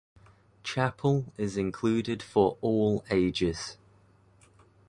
Chapel is included for all ages.